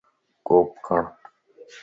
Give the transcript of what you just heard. ڪوپ کڙ